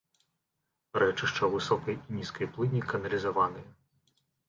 Рэчышча ў высокай і нізкай плыні каналізаванае.